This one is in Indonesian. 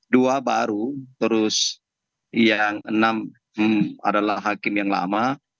dua baru terus yang enam adalah hakim yang lama